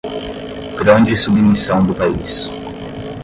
grande submissão do país